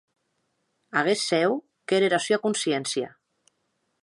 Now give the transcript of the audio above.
Aguest cèu qu’ère era sua consciéncia.